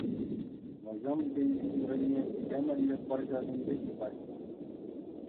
Вӗсем бензин вырӑнне темӗнле пӑрҫасемпе чупаҫҫӗ.